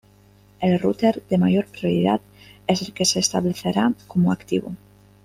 El router de mayor prioridad es el que se establecerá como activo.